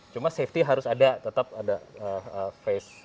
cuma safety harus ada tetap ada face